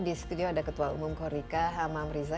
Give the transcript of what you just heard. di studio ada ketua umum korika hamam riza